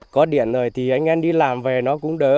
có điện rồi thì anh em đi làm về nó cũng đỡ